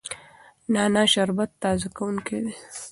نعنا شربت تازه کوونکی دی.